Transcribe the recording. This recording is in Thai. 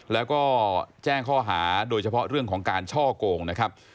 แล้วก็แจ้งข้อหาโดยเฉพาะเรื่องของการช่อโกงนะครับ